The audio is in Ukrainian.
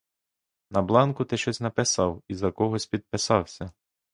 На бланку ти щось написав і за когось підписався.